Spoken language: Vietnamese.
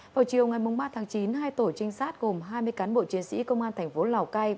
vào chiều ngày ba tháng chín hai tổ trinh sát gồm hai mươi cán bộ chiến sĩ công an thành phố lào cai